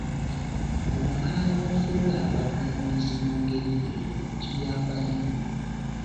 Bw’omala n’ofuula abatunuulizi mu ngeri eyo kiyamba nnyo.